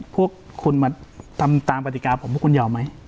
พวกคุณมาทำตามปฏิกาผมพวกคุณยอมไหม